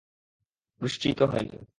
বৃষ্টিই তো হয়নি।